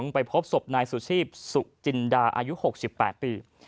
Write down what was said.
ไปพบศพนายสุชีพสุจินดาอายุ๖๘ปี